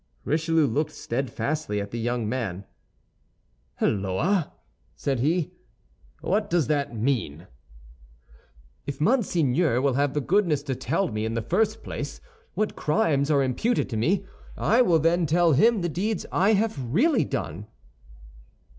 Richelieu looked steadfastly at the young man. "Holloa!" said he, "what does that mean?" "If Monseigneur will have the goodness to tell me, in the first place, what crimes are imputed to me, I will then tell him the deeds I have really done."